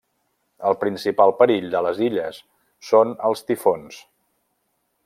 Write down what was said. El principal perill de les illes són els tifons.